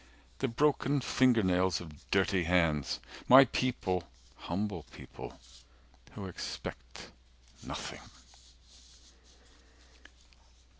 The broken finger nails of dirty hands. My people humble people who expect Nothing."